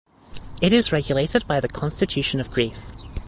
It is regulated by the Constitution of Greece.